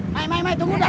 maik maik maik tunggu dah